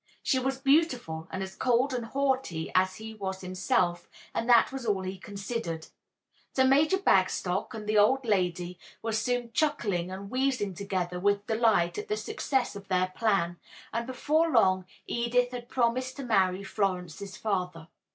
She was beautiful and as cold and haughty as he was himself, and that was all he considered. So Major Bagstock and the old lady were soon chuckling and wheezing together with delight at the success of their plan, and before long Edith had promised to marry Florence's father.